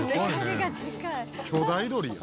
巨大鳥や。